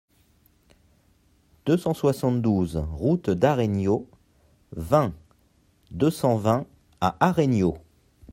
deux cent soixante-douze route d'Aregno, vingt, deux cent vingt à Aregno